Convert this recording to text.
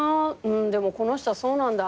でもこの人はそうなんだ。